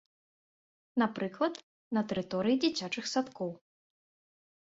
Напрыклад, на тэрыторыі дзіцячых садкоў.